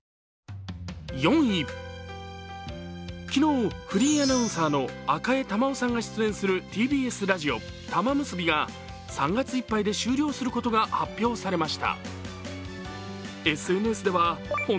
４位、昨日、フリーアナウンサーの赤江珠緒さんが出演するＴＢＳラジオ「たまむすび」が３月いっぱいで終了することが発表されました。